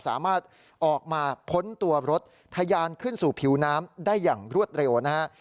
สามารถออกมาพ้นตัวรถทะยานขึ้นสู่ผิวน้ำได้อย่างรวดเร็วนะฮะ